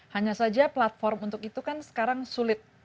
hanya saja platform untuk itu kan sekarang sulit